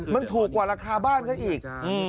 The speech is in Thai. มันถูกกว่าราคาบ้านซะอีก